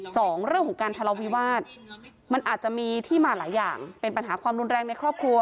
สองเรื่องของการทะเลาวิวาสมันอาจจะมีที่มาหลายอย่างเป็นปัญหาความรุนแรงในครอบครัว